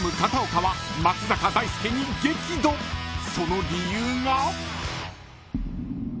［その理由が］